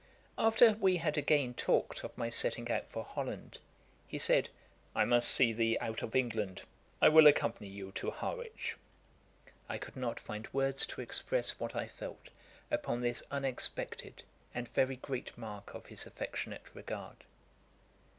Ætat 54.] After we had again talked of my setting out for Holland, he said, 'I must see thee out of England; I will accompany you to Harwich.' I could not find words to express what I felt upon this unexpected and very great mark of his affectionate regard.